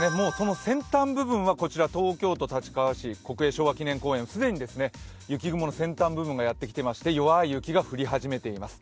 先端部分は東京都立川市、国営昭和記念公園に既にやってきていまして弱い雪が降り始めています。